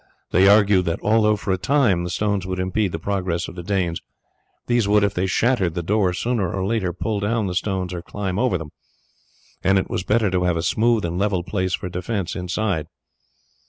They argued that although for a time the stones would impede the progress of the Danes, these would, if they shattered the door, sooner or later pull down the stones or climb over them; and it was better to have a smooth and level place for defence inside.